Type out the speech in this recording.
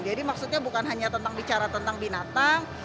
jadi maksudnya bukan hanya tentang bicara tentang binatang